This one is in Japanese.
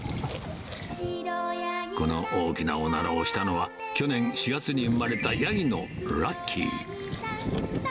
この大きなおならをしたのは、去年４月に生まれたヤギのラッキー。